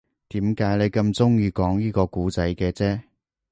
點解你咁鍾意講依個故仔嘅啫